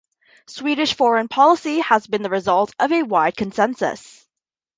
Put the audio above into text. Swedish foreign policy has been the result of a wide consensus.